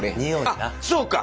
あっそうか！